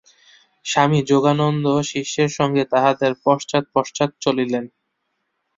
স্বামী যোগানন্দও শিষ্যের সঙ্গে তাঁহাদের পশ্চাৎ পশ্চাৎ চলিলেন।